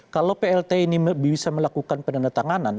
kalau plt ini bisa melakukan penandatanganan